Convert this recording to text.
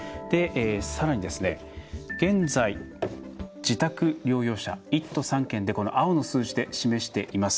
さらに現在自宅療養者、１都３県で青の数字で示しています。